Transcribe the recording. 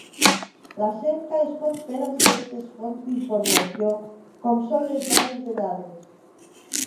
La cerca es pot fer a diverses fonts d'informació, com són les bases de dades.